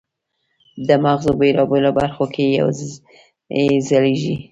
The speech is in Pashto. د مغزو په بېلابېلو برخو کې یې ځلېږي.